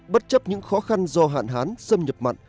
bất chấp những khó khăn do hạn hán xâm nhập mặn